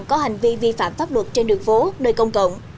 có hành vi vi phạm pháp luật trên đường phố nơi công cộng